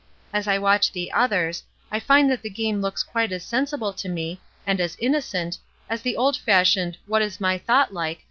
As I watch the others, I find that the game looks qviite as sensible to me, and as innocent, as the old fashioned 'What is my thought like?'